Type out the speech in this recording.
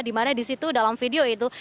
dimana di situ dalam video itu